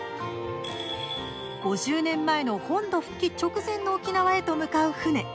５０年前の本土復帰直前の沖縄へと向かう船。